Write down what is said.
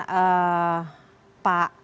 dari pemikiran pak azumati